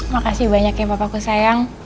makasih banyak ya bapakku sayang